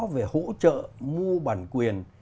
về hỗ trợ mua bản quyền